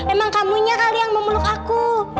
emang kamunya kali yang memeluk aku